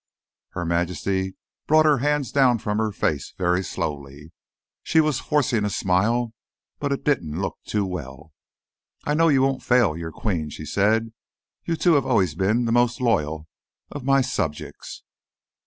Her Majesty brought her hands down from her face, very slowly. She was forcing a smile, but it didn't look too well. "I know you won't fail your Queen," she said. "You two have always been the most loyal of my subjects."